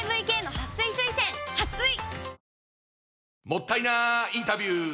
もったいなインタビュー！